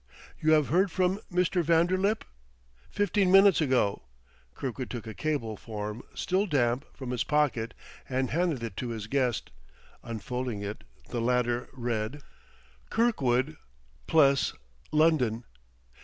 "You have heard from Mr. Vanderlip?" "Fifteen minutes ago." Kirkwood took a cable form, still damp, from his pocket, and handed it to his guest. Unfolding it, the latter read: "_Kirkwood, Pless, London.